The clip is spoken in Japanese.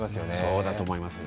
そうだと思います。